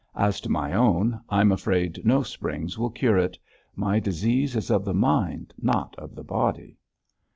As to my own, I'm afraid no springs will cure it; my disease is of the mind, not of the body.'